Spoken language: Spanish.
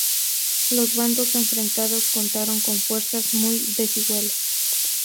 Los bandos enfrentados contaron con fuerzas muy desiguales.